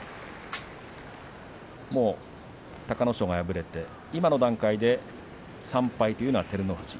もう隆の勝が敗れて今の段階で３敗というのは照ノ富士。